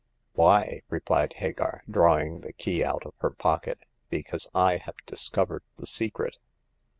" Why," replied Hagar, drawing the key out of her pocket, " because I have discovered the secret."